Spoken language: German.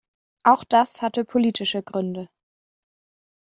Auch das hatte politische Gründe.